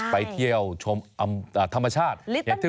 ไปเที่ยวชมธรรมชาติ